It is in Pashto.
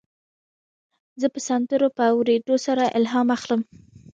زه د سندرو په اورېدو سره الهام اخلم.